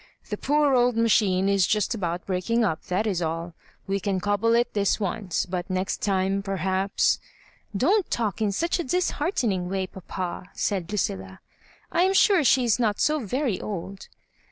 '' The poor old machine is just about breaking up, that is all. We can cobble it this once, but next time perhaps " ''Don't talk in such a disheartening way, papa," said Lucilla. " I am sure she is not so very old."